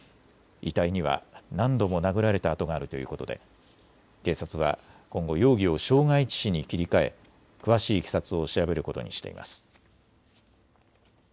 遺体には何度も殴られた痕があるということで警察は今後、容疑を傷害致死に切り替え詳しいいきさつを調べることにしています。